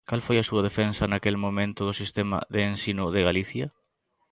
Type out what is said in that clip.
¿Cal foi a súa defensa naquel momento do sistema de ensino de Galicia?